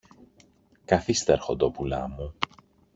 Καθίστε, αρχοντόπουλά μου.